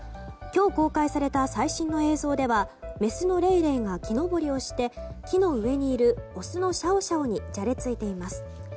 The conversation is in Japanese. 今日公開された最新の映像ではメスのレイレイが木登りをして、木の上にいるオスのシャオシャオにじゃれついています。